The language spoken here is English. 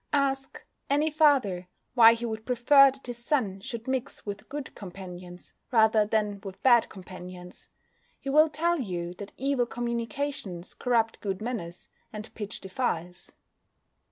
Ask any father why he would prefer that his son should mix with good companions rather than with bad companions. He will tell you that evil communications corrupt good manners, and pitch defiles.